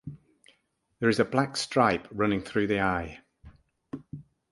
There is a black stripe running through the eye.